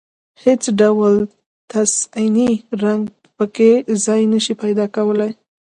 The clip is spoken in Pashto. هېڅ ډول تصنعي رنګ په کې ځای نشي پيدا کولای.